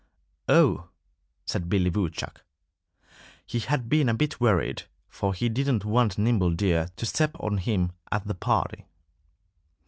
"Oh!" said Billy Woodchuck. He had been a bit worried, for he didn't want Nimble Deer to step on him at the party.